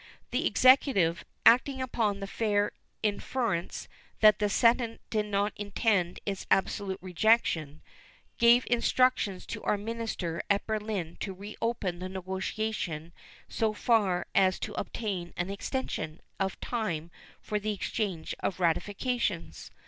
The Executive, acting upon the fair inference that the Senate did not intend its absolute rejection, gave instructions to our minister at Berlin to reopen the negotiation so far as to obtain an extension of time for the exchange of ratifications.